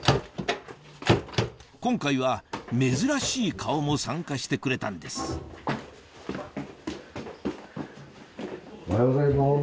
今回は珍しい顔も参加してくれたんですおはようございます。